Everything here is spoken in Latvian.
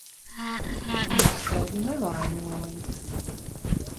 Un es tevi nevainoju.